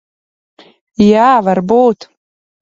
Jā, varbūt.